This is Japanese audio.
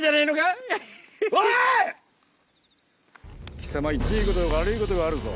貴様言っていいことと悪いことがあるぞ。